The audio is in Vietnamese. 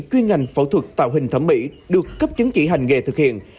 chuyên ngành phẫu thuật tạo hình thẩm mỹ được cấp chứng chỉ hành nghề thực hiện